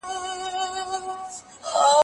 د ميمونې د وينو راغلل سيلابونه